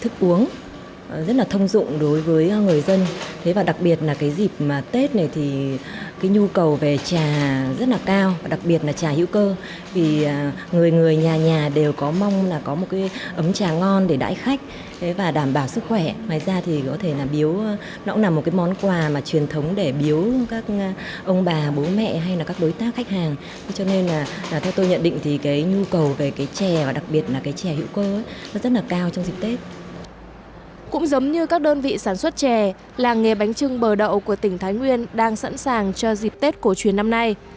cũng giống như các đơn vị sản xuất chè làng nghề bánh trưng bờ đậu của tỉnh thái nguyên đang sẵn sàng cho dịp tết cổ truyền năm nay